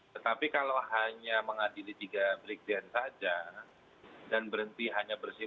tetapi kalau hanya mengadili tiga brikjen saja dan berhenti hanya berhenti